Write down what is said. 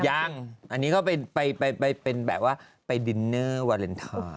ยังอันนี้ก็ไปเป็นแบบว่าไปดินเนอร์วาเลนไทย